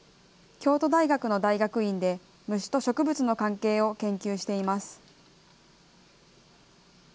京都大学の大学院で、虫と植物の関係を研究しています。